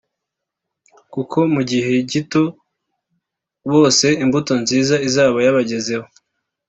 kuko mu gihe gito bose imbuto nziza izaba yabagezeho